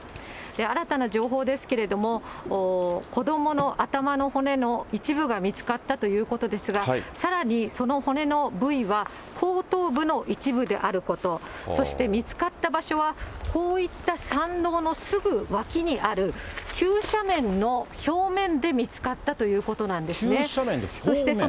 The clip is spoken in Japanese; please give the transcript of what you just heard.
新たな情報ですけれども、子どもの頭の骨の一部が見つかったということですが、さらにその骨の部位は、後頭部の一部であること、そして見つかった場所は、こういった山道のすぐ脇にある、急斜面の表面で見つかったということなんですね。